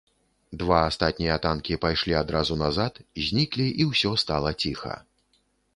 Два астатнія танкі пайшлі адразу назад, зніклі, і ўсё стала ціха.